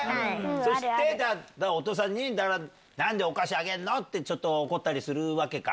そしてお父さんに「何でお菓子あげんの？」ってちょっと怒ったりするわけか。